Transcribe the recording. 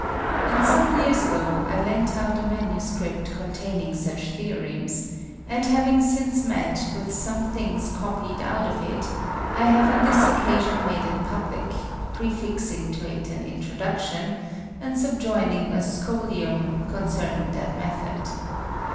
And some Years ago I lent out a Manuscript containing such Theorems, and having since met with some Things copied out of it, I have on this Occasion made it publick, prefixing to it an_ Introduction, and subjoining a Scholium _concerning that Method.